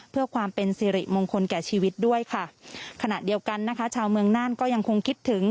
เพื่อความเป็นสิริมงคลแก่ชีวิตด้วยค่ะขณะเดียวกันนะคะชาวเมืองน่านก็ยังคงคิดถึง